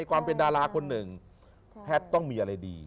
ความเป็นดาราคนหนึ่งแพทย์ต้องมีอะไรดี